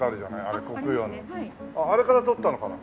あれから取ったのかな？